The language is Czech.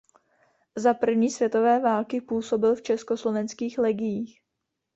Za první světové války působil v Československých legiích.